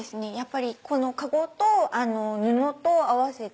この籠と布と合わせて。